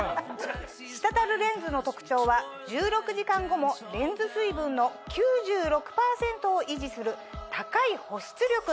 滴るレンズの特長は１６時間後もレンズ水分の９６％を維持する高い保湿力。